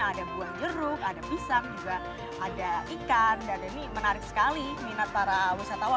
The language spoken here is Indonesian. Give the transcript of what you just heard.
ada buah jeruk ada pisang juga ada ikan dan ini menarik sekali minat para wisatawan